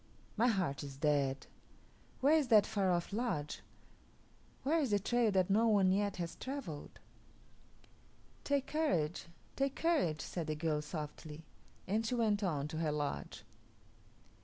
My heart is dead. Where is that far off lodge? Where is the trail that no one yet has travelled?" "Take courage, take courage," said the girl softly, and she went on to her lodge.